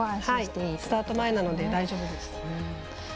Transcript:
スタート前なので大丈夫です。